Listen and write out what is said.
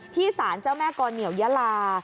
ที่ศาลเจ้าแม่ก่อนเหนียวยาลา